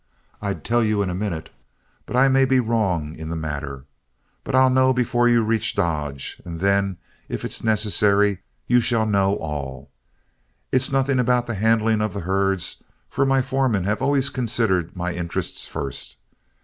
I'd tell you in a minute, but I may be wrong in the matter. But I'll know before you reach Dodge, and then, if it's necessary, you shall know all. It's nothing about the handling of the herds, for my foremen have always considered my interests first.